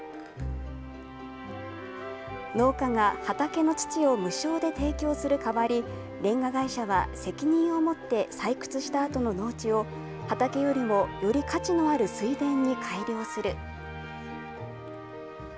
農家が畑の土を無償で提供する代わり、れんが会社は責任を持って採掘したあとの農地を、畑よりも、より価値のある水田に改良する。